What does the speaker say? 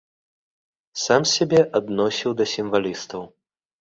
Сам сябе адносіў да сімвалістаў.